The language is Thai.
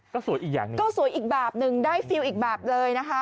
ก็สวยอีกอย่างหนึ่งก็สวยอีกแบบหนึ่งได้ฟิลอีกแบบเลยนะคะ